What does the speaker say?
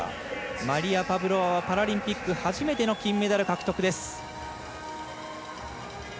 マリヤ・パブロワはパラリンピック初めての金メダル獲得です。